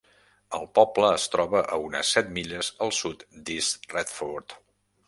El poble es troba a unes set milles al sud d'East Retford.